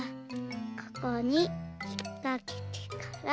ここにひっかけてから。